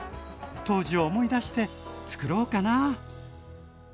当時を思い出してつくろうかな。